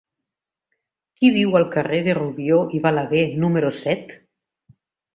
Qui viu al carrer de Rubió i Balaguer número set?